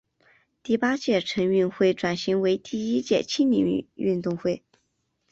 第八届城运会转型为第一届青年运动会。